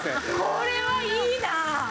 これはいいな。